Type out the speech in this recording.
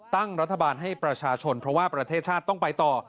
ตั้งรัฐบาลให้ประชาชนเพราะว่าประเทศชาติต้องไปต่อ